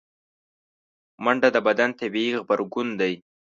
منډه د بدن طبیعي غبرګون دی